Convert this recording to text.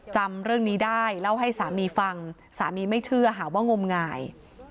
จำเรื่องนี้ได้เล่าให้สามีฟังสามีไม่เชื่อหาว่างมงาย